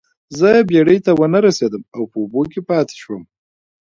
زه بیړۍ ته ونه رسیدم او په اوبو کې پاتې شوم.